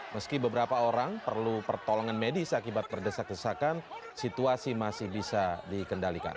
meski beberapa orang perlu pertolongan medis akibat berdesak desakan situasi masih bisa dikendalikan